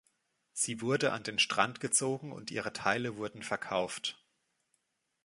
Sie wurde an den Strand gezogen und ihre Teile wurden verkauft.